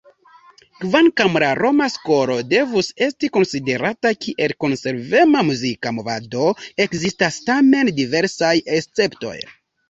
Kvankam la "Roma Skolo" devus esti konsiderata kiel konservema muzika movado, ekzistas tamen diversaj esceptoj.